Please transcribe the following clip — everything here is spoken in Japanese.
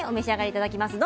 いただきます。